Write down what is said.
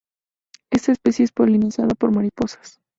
Esta especie es polinizada por mariposas.